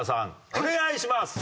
お願いします！